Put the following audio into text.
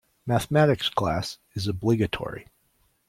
Mathematics class is obligatory.